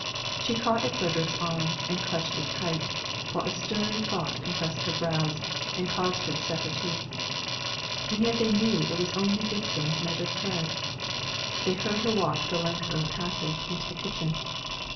She caught at Frederick's arm, and clutched it tight, while a stern thought compressed her brow, and caused her to set her teeth. And yet they knew it was only Dixon's measured tread. They heard her walk the length of the passage, into the kitchen.